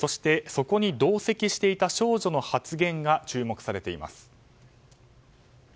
そこに同席していた少女の発言が注目されています。